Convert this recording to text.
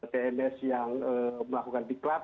tms yang melakukan diklat